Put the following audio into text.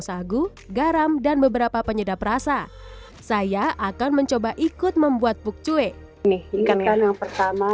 sagu garam dan beberapa penyedap rasa saya akan mencoba ikut membuat buk cuek nih ikan yang pertama